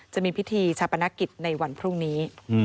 จะมีพิธีชาปนกิจในวันพรุ่งนี้